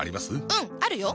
うんあるよ！